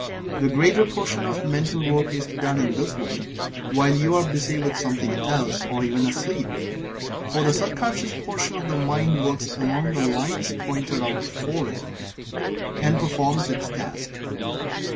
The greater portion of mental work is done in this way, while you are busy with something else, or even asleep, for the sub conscious portion of the mind works along the lines pointed out for it, and performs its task.